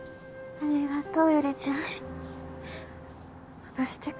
ありがとう。